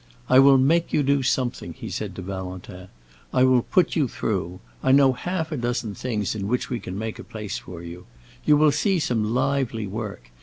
"I will make you do something," he said to Valentin; "I will put you through. I know half a dozen things in which we can make a place for you. You will see some lively work.